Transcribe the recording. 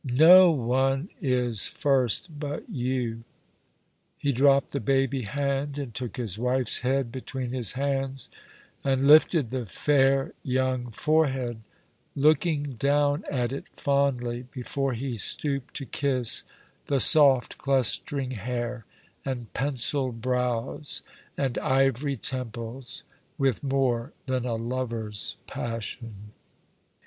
" No one is first but you." He dropped the baby hand, and took his wife's head between his hands, and lifted the fair young forehead, look ing down at it fondly before he stooped to kiss the soft clustering hair and pencilled brows and ivory temples, with more than a lover's passion.